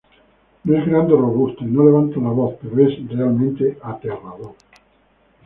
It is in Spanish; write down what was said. No es grande o robusto, y no levanta la voz pero es realmente aterrador.